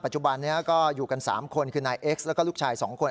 จุบันนี้ก็อยู่กัน๓คนคือนายเอ็กซ์แล้วก็ลูกชาย๒คน